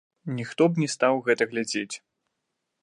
Ніхто б не стаў гэта глядзець.